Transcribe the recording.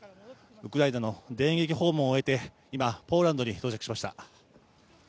ウクライナの電撃訪問を終えて、今、ポーランドに到着しました。